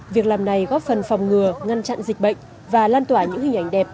việc làm này góp phần phòng ngừa ngăn chặn dịch bệnh và lan tỏa những hình ảnh đẹp